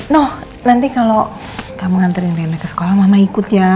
noh nanti kalau kamu nganterin rina ke sekolah mama ikut ya